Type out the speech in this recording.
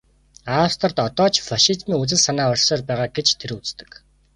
Австрид одоо ч фашизмын үзэл санаа оршсоор байгаа гэж тэр үздэг.